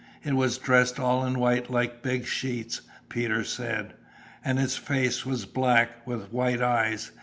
It was dressed 'all in white like big sheets,' Peter said, and its face was black, with white eyes.